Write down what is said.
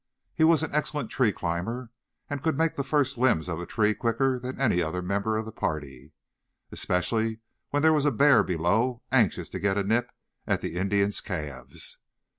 He was an excellent tree climber and could make the first limbs of a tree quicker than any other member of the party, especially when there was a bear below anxious to get a nip at the Indian's calves.